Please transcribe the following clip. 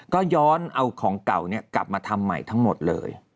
ก็ย้อนเอาของเก่ากลับมาทำใหม่ทั้งหมดเลย